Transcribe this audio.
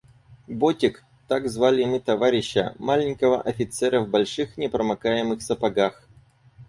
«Ботик» — так звали мы товарища, маленького офицера в больших непромокаемых сапогах.